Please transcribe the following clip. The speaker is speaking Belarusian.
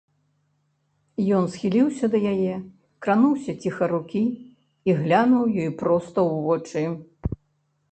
Ён схіліўся да яе, крануўся ціха рукі і глянуў ёй проста ў вочы.